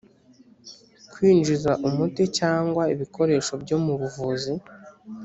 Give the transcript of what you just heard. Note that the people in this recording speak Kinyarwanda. kwinjiza umuti cyangwa ibikoresho byo mu buvuzi